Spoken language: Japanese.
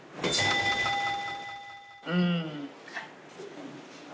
うん。